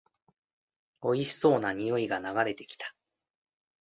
おいしそうな匂いが流れてきた